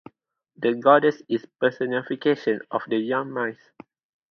The goddess is a personification of the young maize.